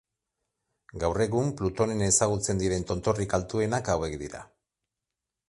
Gaur egun, Plutonen ezagutzen diren tontorrik altuenak hauek dira.